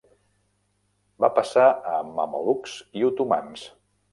Va passar a mamelucs i otomans.